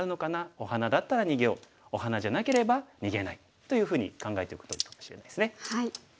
お花だったら逃げようお花じゃなければ逃げないというふうに考えておくといいかもしれないですね。